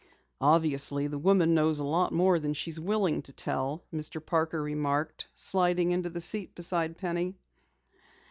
"Obviously, the woman knows a lot more than she's willing to tell," Mr. Parker remarked, sliding into the car seat beside Penny.